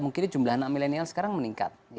mungkin jumlah anak milenial sekarang meningkat